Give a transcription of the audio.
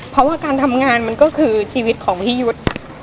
เพราะว่าการทำงานมันก็คือชีวิตของพี่ยุทธ์